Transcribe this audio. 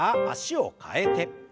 脚を替えて。